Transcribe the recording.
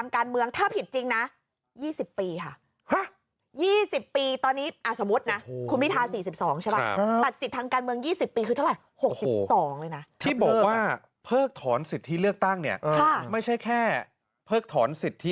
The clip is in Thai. คุณไปเลือกตั้งไม่ได้ด้วย